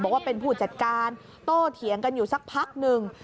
บอกว่าเป็นผู้จัดการโต้เถียงกันอยู่สักพักหนึ่ง